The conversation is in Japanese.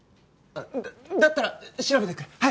だだったら調べてくれ！